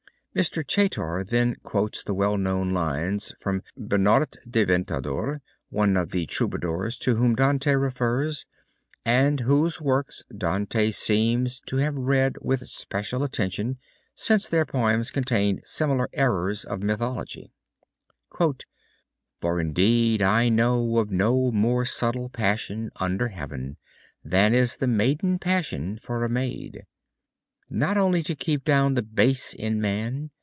Mr. Chaytor then quotes the well known lines from Bernart de Ventadorn, one of the Troubadours to whom Dante refers, and whose works Dante seems to have read with special attention since their poems contain similar errors of mythology. "for indeed I know Of no more subtle passion under heaven Than is the maiden passion for a maid. Not only to keep down the base in man.